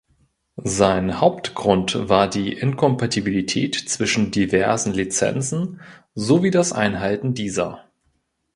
Sein Hauptgrund war die Inkompatibilität zwischen diverse Lizenzen sowie das Einhalten dieser.